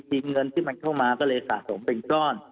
เงินที่มันเข้ามาก็เลยสะสมเป็นก้อน